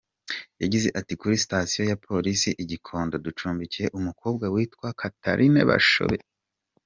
Yagize ati “Kuri station ya Polisi i Gikondo, ducumbikiye umukobwa witwa Catherine Bashabe.